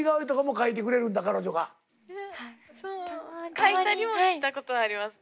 描いたりもしたことありますね。